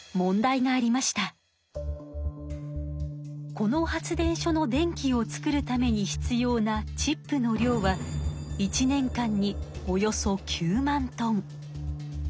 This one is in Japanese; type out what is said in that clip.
この発電所の電気を作るために必要なチップの量は１年間におよそ９万トン。